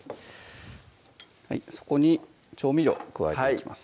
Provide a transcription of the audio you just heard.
そこに調味料加えていきます